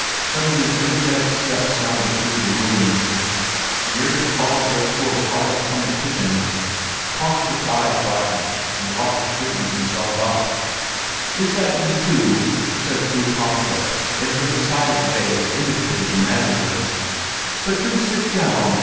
Suddenly energetic steps sounded through the rooms; the ear could follow their course right up from the kitchen. Kongstrup's eyes brightened, and Lasse straightened himself up. "Is that you two?" said Fru Kongstrup in her decided way that indicated the manager. "But do sit down!